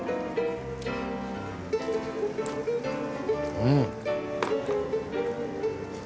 うん！